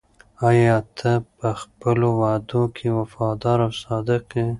آیا ته په خپلو وعدو کې وفادار او صادق یې؟